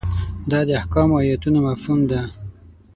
دا د احکامو ایتونو مفهوم ده.